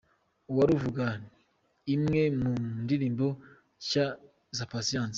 Uwaruvuga, imwe mu ndirimbo nshya za Patient.